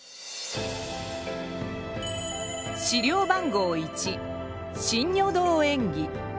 資料番号１真如堂縁起。